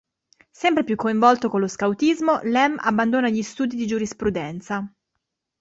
Sempre più coinvolto con lo scautismo, Lem abbandona di studi di giurisprudenza.